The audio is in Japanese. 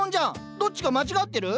どっちか間違ってる？